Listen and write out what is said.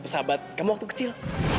sahabat kamu waktu kecil